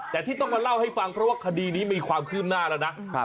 แต่ที่ต้องมาเล่าให้ฟังเพราะว่าคดีนี้มีความคืบหน้าแล้วนะ